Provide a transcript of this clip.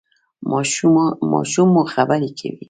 ماشوم مو خبرې کوي؟